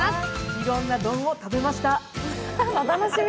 いろんな丼を食べました。